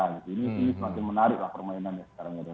ini semakin menariklah permainannya sekarang ya